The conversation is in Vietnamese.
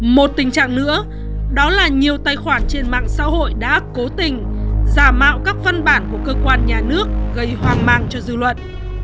một tình trạng nữa đó là nhiều tài khoản trên mạng xã hội đã cố tình giả mạo các văn bản của cơ quan nhà nước gây hoang mang cho dư luận